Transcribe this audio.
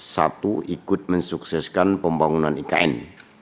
satu ikut mensukseskan pembangunan ikn